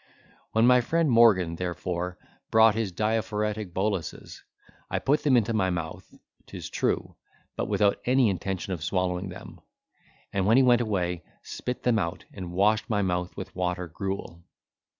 When my friend Morgan, therefore, brought his diaphoretic bolases, I put them into my mouth, 'tis true, but without any intention of swallowing them: and, when he went away, spit them out, and washed my mouth with water gruel.